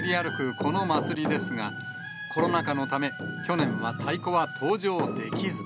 この祭りですが、コロナ禍のため、去年は太鼓は登場できず。